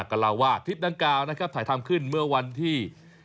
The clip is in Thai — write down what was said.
ก็เล่าว่าคลิปดังกล่าวนะครับถ่ายทำขึ้นเมื่อวันที่